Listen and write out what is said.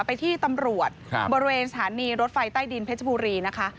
ไปที่ตำรวจบริเวณสถานีรถไฟใต้ดินเพชรบุรีนะคะ